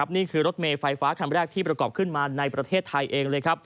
นี่คือรถเมฆไฟฟ้าคำแรกที่ประกอบขึ้นมาในประเทศไทยเอง